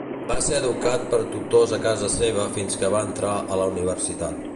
Va ser educat per tutors a casa seva fins que va entrar a la universitat.